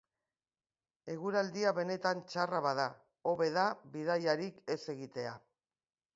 Eguraldia benetan txarra bada, hobe da bidaiarik ez egitea.